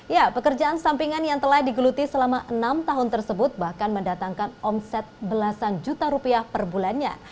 ya pekerjaan sampingan yang telah digeluti selama enam tahun tersebut bahkan mendatangkan omset belasan juta rupiah per bulannya